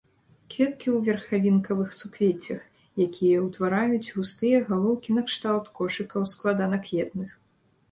Кветкі ў верхавінкавых суквеццях, якія ўтвараюць густыя галоўкі накшталт кошыкаў складанакветных.